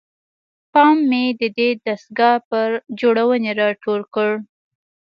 پام مې ددې دستګاه پر جوړونې راټول کړ.